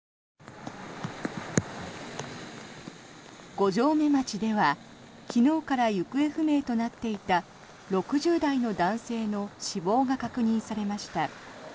五城目町では昨日から行方不明となっていた６０代の男性の死亡が確認されました。